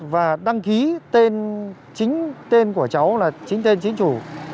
và đăng ký tên chính tên của cháu là chính tên chính chủ